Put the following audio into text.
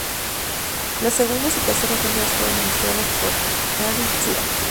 Los segundos y terceros números fueron ilustrados por Ernie Chua.